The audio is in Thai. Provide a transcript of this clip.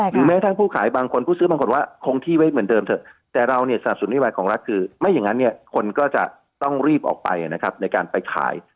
แม้ทั้งผู้ขายบางคนผู้ซื้อบางคนว่าคงที่ไว้เหมือนเดิมเถอะแต่เราเนี่ยสนับสนนโยบายของรัฐคือไม่อย่างนั้นเนี่ยคนก็จะต้องรีบออกไปนะครับในการไปขาย